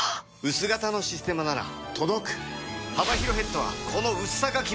薄型の「システマ」なら届く「システマ」